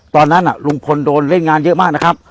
ตอนนั้นลุงพลโดนเล่นงานเยอะมากนะครับ